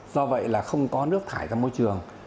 do vậy là không có nước thải ra môi trường